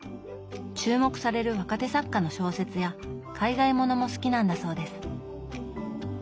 注目される若手作家の小説や海外物も好きなんだそうです。